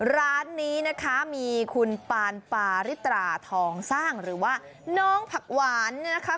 ร้านนี้นะคะมีคุณปานปาริตราทองสร้างหรือว่าน้องผักหวานเนี่ยนะคะ